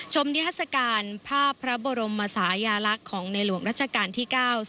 ชมนิทธิศการภาพพระบรมศาสตร์ยาลักษณ์ของในหลวงราชการที่๙